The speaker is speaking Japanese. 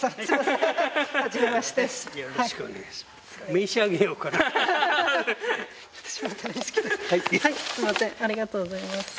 よろしくお願いします。